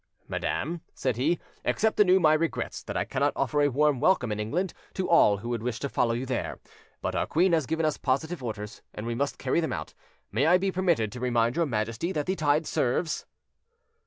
"Madam," said he, "accept anew my regrets that I cannot offer a warm welcome in England to all who would wish to follow you there; but our queen has given us positive orders, and we must carry them out. May I be permitted to remind your Majesty that the tide serves?"